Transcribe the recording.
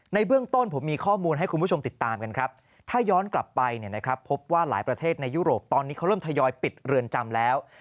ในเบื้องต้นผมมีข้อมูลให้คุณผู้ชมติดตามกันครับถ้าย้อนกลับไปพบว่าหลายประเทศในยุโรปตอนนี้เขาเริ่มทยอยปิดเรือนจำแล้ว